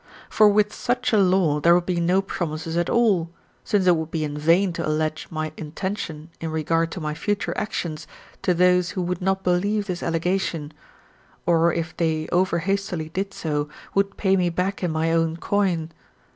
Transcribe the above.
For with such a law there would be no promises at all, since it would be in vain to allege my intention in regard to my future actions to those who would not believe this allegation, or if they over hastily did so would pay me back in my own coin.